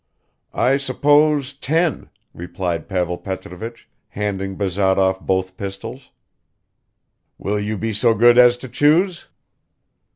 "I suppose, ten," replied Pavel Petrovich, handing Bazarov both pistols. "Will you be so good as to choose?"